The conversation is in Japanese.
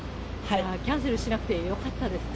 キャンセルしなくてよかったですね。